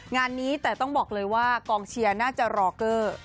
งานนี้แต่ต้องบอกเลยว่ากองเชียร์น่าจะรอเกอร์